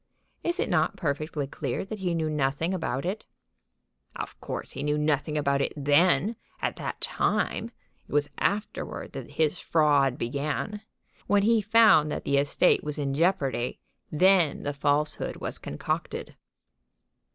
Is it not perfectly clear that he knew nothing about it?" "Of course he knew nothing about it then, at that time. It was afterward that his fraud began. When he found that the estate was in jeopardy, then the falsehood was concocted."